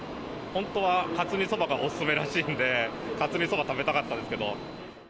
本当はカツ煮そばがお勧めらしいんで、カツ煮そば食べたかったんですけど。